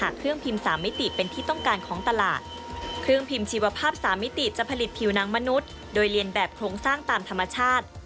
เครื่องพิมพ์ชีวภาพสามมิติจะผลิตผิวหนังมนุษย์โดยเรียนแบบโครงสร้างตามธรรมชาติ